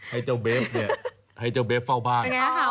ให้เจ้าเบฟเนี่ยให้เจ้าเบฟเฝ้าบ้าน